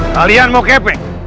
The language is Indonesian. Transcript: kalian mau kepek